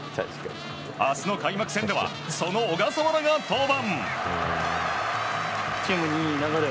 明日の開幕戦ではその小笠原が登板。